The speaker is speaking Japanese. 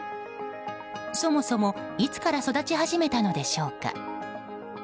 そもそも、いつから育ち始めたのでしょうか。